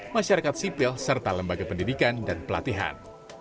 masyarakat sipil serta lembaga pendidikan dan pelatihan